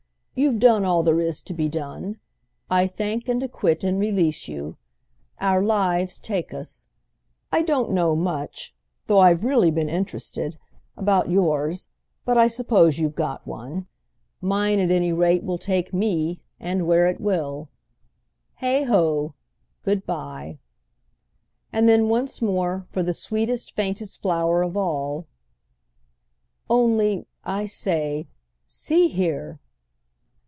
You've done all there is to be done. I thank and acquit and release you. Our lives take us. I don't know much—though I've really been interested—about yours, but I suppose you've got one. Mine at any rate will take me—and where it will. Heigh ho! Good bye." And then once more, for the sweetest faintest flower of all: "Only, I say—see here!"